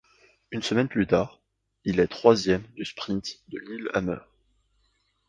Une semaine plus tard, il est troisième du sprint de Lillehammer.